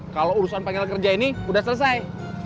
kalau urusan panggil kerja ini udah selesai